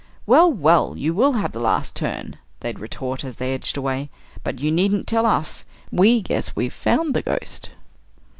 "Well! well! you will have the last turn," they'd retort, as they edged away; "but you needn't tell us. We guess we've found the ghost."